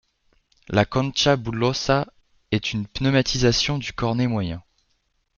La concha bullosa est une pneumatisation du cornet moyen.